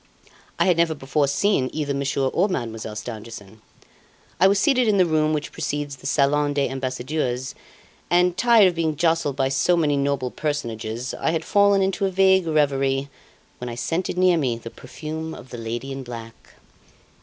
I had never before seen either Monsieur or Mademoiselle Stangerson. I was seated in the room which precedes the Salon des Ambassadeurs, and, tired of being jostled by so many noble personages, I had fallen into a vague reverie, when I scented near me the perfume of the lady in black.